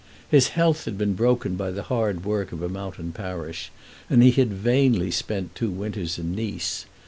His health had been broken by the hard work of a mountain parish, and he had vainly spent two winters in Nice.